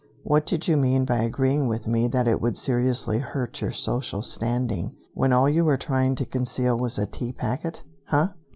What did you mean by agreeing with me that it would seriously hurt your social standing, when all you were trying to conceal was a tea packet, huh?"